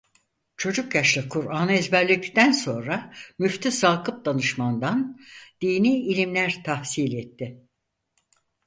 Çocuk yaşta Kur'an'ı ezberledikten sonra Müftü Sakıp Danışman'dan dini ilimler tahsil etti.